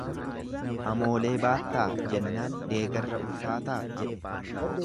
Amoolee baattaa? jennaan deegarra ulfaataa jedhe.